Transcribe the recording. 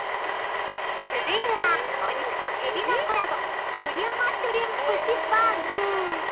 ◆続いてはお肉とエビのコラボプリうまシュリンプチバーグ。